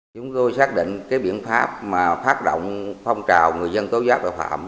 chúng tôi xác định biện pháp phát động phong trào người dân tố giác tội phạm